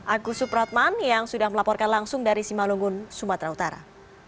agus supratman yang sudah melaporkan langsung dari simalungun sumatera utara